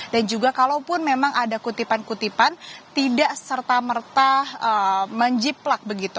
dan juga kalaupun memang ada kutipan kutipan tidak serta merta menjiplak begitu